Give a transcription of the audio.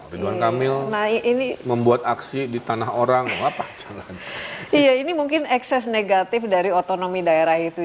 ridwan kamil membuat aksi di tanah orang apa ya ini mungkin ekses negatif dari otonomi daerah itu